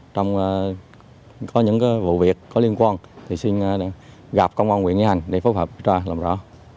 trong những vụ việc có liên quan thì xin gặp công an nguyễn nghĩa hành để phối phạm ra làm rõ